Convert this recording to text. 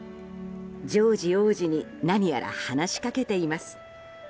ジョージ王子に何やら話しかけています。